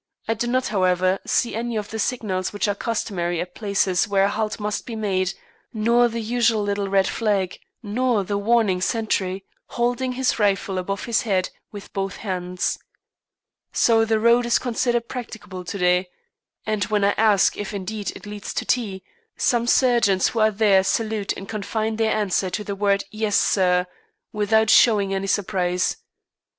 I do not, however, see any of the signals which are customary at places where a halt must be made, nor the usual little red flag, nor the warning sentry, holding his rifle above his head with both hands. So the road is considered practicable to day, and when I ask if indeed it leads to T , some sergeants who are there salute and confine their answer to the word "Yes, sir," without showing any surprise.